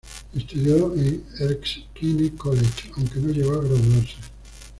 Estudió en Erskine College, aunque no llegó a graduarse.